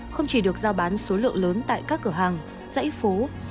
không chỉ được giao bán số lượng lớn tại các cửa hàng dãy phố